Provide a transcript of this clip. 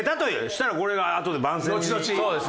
そしたらこれがあとで。